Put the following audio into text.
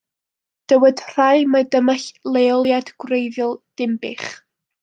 Dywed rhai mai dyma leoliad gwreiddiol Dinbych.